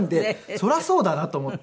そりゃそうだなと思って。